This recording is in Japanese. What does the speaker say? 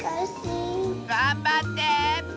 がんばって！